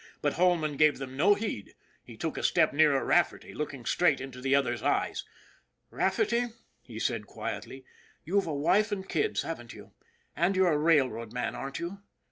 But Holman gave them no heed ; he took a step nearer Rafferty, looking straight into the other's eyes. * Rafferty," he said quietly, " you've a wife and kids, haven't you? And you're a railroad man, aren't you